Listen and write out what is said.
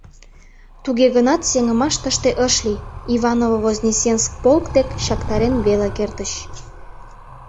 Туге гынат сеҥымаш тыште ыш лий: Иваново-Вознесенск полк дек чактарен веле кертыч.